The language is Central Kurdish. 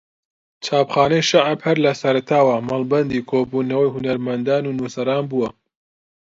چایخانەی شەعب ھەر لە سەرەتاوە مەڵبەندی کۆبونەوەی ھونەرمەندان و نووسەران بووە